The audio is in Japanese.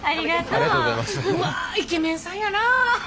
うわイケメンさんやな。